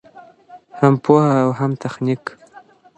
هم پوهه او هم تخنیک.